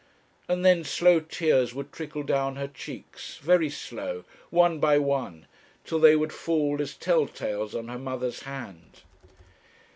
And then slow tears would trickle down her cheeks, very slow, one by one, till they would fall as telltales on her mother's hand.